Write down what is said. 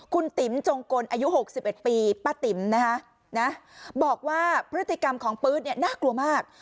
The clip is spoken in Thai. คุณติ๋มจงกลอายุ๖๑ปีป้าติ๋มนะคะบอกว่าพฤติกรรมของปื๊ดเนี่ยน่ากลัวมาก